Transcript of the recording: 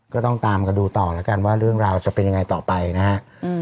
ก็ต้องตามกันดูต่อแล้วกันว่าเรื่องราวจะเป็นยังไงต่อไปนะฮะ